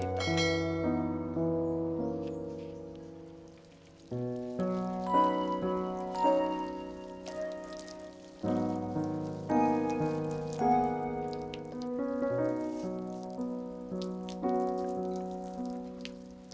yang mencari kebun mawar